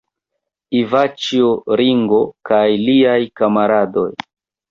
Ivaĉjo Ringo kaj liaj kamaradoj.